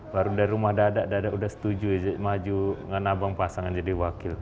baru dari rumah dadak dadak udah setuju aja maju dengan abang pasangan jadi wakil